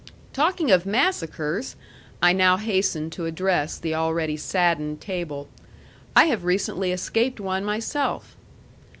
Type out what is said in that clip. "Talking of massacres," I now hastened to address the already saddened table, "I have recently escaped one myself."